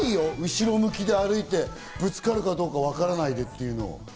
後ろ向きに歩いて、ぶつかるかどうかわからないっていうの。